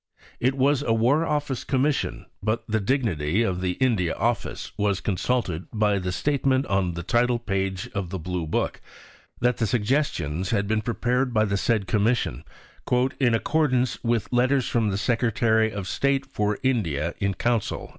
It was a War Office Commission, but the dignity of the India Office was consulted by the statement on the title page of the Blue book, that the Suggestions had been prepared by the said Commission "in accordance with Letters from the Secretary of State for India in Council."